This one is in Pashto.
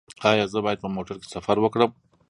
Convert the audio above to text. ایا زه باید په موټر کې سفر وکړم؟